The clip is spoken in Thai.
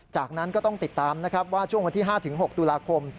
จากนั้นก็ต้องติดตามนะครับว่าช่วงวันที่๕๖ตุลาคม